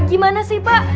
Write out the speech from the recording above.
gimana sih pak